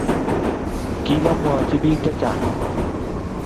Kikomwochi bik chechang